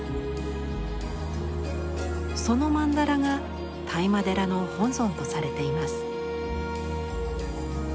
その曼荼羅が當麻寺の本尊とされています。